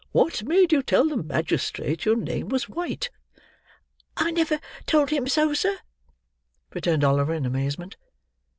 "What made you tell the magistrate your name was White?" "I never told him so, sir," returned Oliver in amazement.